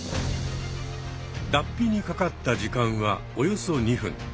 だっぴにかかった時間はおよそ２分。